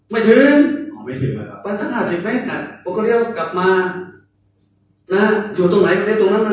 ไม่ถึงพันธาตุศิเวศฯปล่อยเรียกว่าปล่อยเรียกว่ากลับมา